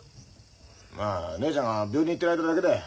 まあ姉ちゃんが病院に行ってる間だけだよ。